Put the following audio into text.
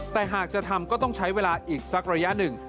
แต่หากจะทำก็ต้องใช้เวลาอีกสักระยะหนึ่ง